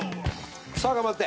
さあ頑張って！